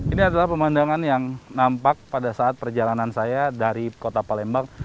ini adalah pemandangan yang nampak pada saat perjalanan saya dari kota palembang